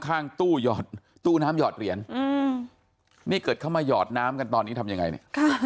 ข้างตู้หยอดตู้น้ำหอดเหรียญนี่เกิดเข้ามาหยอดน้ำกันตอนนี้ทำยังไงเนี่ย